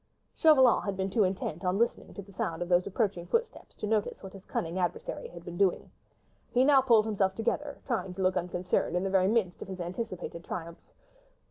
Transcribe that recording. Chauvelin had been too intent on listening to the sound of those approaching footsteps, to notice what his cunning adversary had been doing. He now pulled himself together, trying to look unconcerned in the very midst of his anticipated triumph.